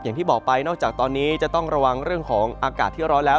อย่างที่บอกไปนอกจากตอนนี้จะต้องระวังเรื่องของอากาศที่ร้อนแล้ว